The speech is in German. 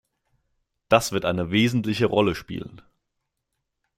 Das wird eine wesentliche Rolle spielen.